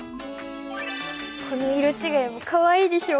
この色ちがいもかわいいでしょ？